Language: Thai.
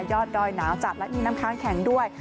ดอยหนาวจัดและมีน้ำค้างแข็งด้วย